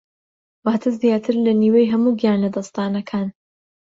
واتە زیاتر لە نیوەی هەموو گیانلەدەستدانەکان